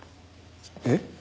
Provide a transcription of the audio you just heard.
えっ？